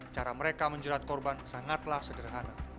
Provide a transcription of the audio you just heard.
cara mereka menjerat korban sangatlah sederhana